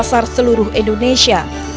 di pasar seluruh indonesia